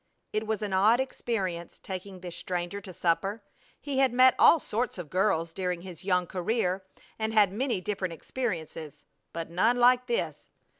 It was an odd experience, taking this stranger to supper. He had met all sorts of girls during his young career and had many different experiences, but none like this.